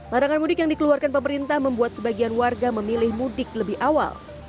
larangan mudik yang dikeluarkan pemerintah membuat sebagian warga memilih mudik lebih awal